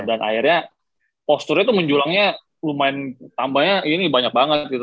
dan akhirnya posturnya itu menjulangnya lumayan tambahnya ini banyak banget gitu